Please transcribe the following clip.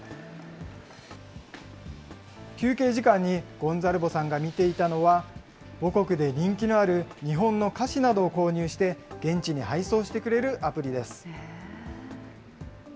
休憩時間にゴンザルボさんが見ていたのは、母国で人気のある日本の菓子などを購入して、現地に配送してくれるアプリです。